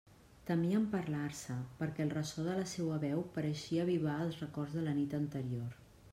Temien parlar-se, perquè el ressò de la seua veu pareixia avivar els records de la nit anterior.